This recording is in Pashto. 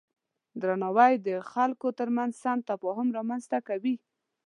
درناوی د خلکو ترمنځ سم تفاهم رامنځته کوي.